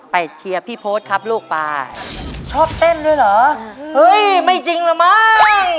เชียร์พี่โพธครับลูกป่าชอบเต้นด้วยเหรอเฮ้ยไม่จริงเหรอมั้ง